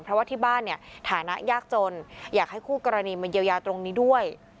เพราะว่าที่บ้านเนี่ยฐานะยากจนอยากให้คู่กรณีมาเยียวยาตรงนี้ด้วย